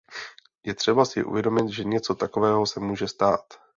Je třeba si uvědomit, že něco takového se může stát.